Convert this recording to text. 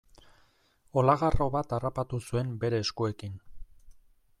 Olagarro bat harrapatu zuen bere eskuekin.